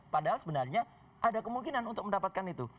padahal sebenarnya ada kemungkinan untuk mendapatkan itu